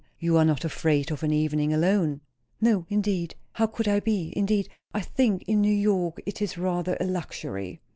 "You are not afraid of an evening alone!" "No, indeed; how could I be? Indeed, I think in New York it is rather a luxury."